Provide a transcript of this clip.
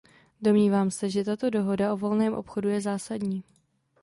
Domnívám se, že tato dohoda o volném obchodu je zásadní.